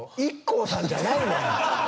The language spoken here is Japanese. ＩＫＫＯさんじゃないねん。